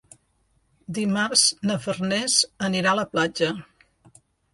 Dimarts na Farners anirà a la platja.